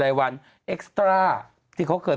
๒๐ล้านคนจริง